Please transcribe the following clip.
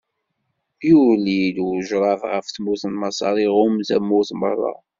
Yuli-d ujṛad ɣef tmurt n Maṣer, iɣumm tamurt meṛṛa.